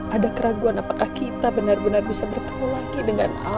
ada keraguan apakah kita benar benar bisa bertemu lagi dengan allah